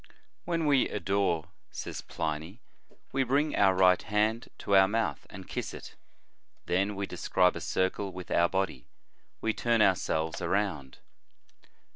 "When we adore," says Pliny, " we bring our right hand to our mouth and kiss it; then we describe a circle with our body, we turn ourselves around."